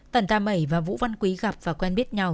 tần tam mẩy và vũ văn quý gặp và quen biết nhau